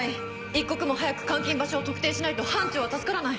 一刻も早く監禁場所を特定しないと班長は助からない。